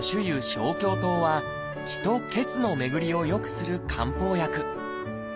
生姜湯は「気」と「血」の巡りをよくする漢方薬。